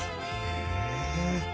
へえ。